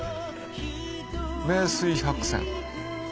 名水百選。